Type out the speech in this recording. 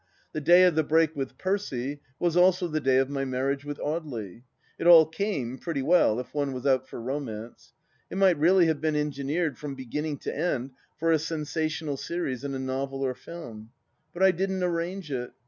The day of the break with Percy was also the day of my marriage with Audely. It all " came " pretty well, if one was out for romance. It might really have been engineered, from beginning to end, for a sensa tional series in a novel or film. But I didn't arrange it.